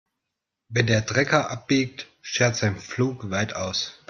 Wenn der Trecker abbiegt, schert sein Pflug weit aus.